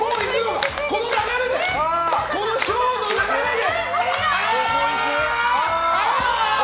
このショーの流れで！